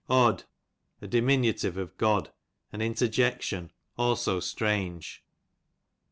Od, a diminutive of God, an interjection ; also strange.